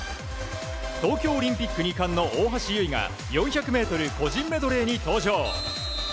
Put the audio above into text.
東京オリンピック２冠の大橋悠依が４００ｍ個人メドレーに登場。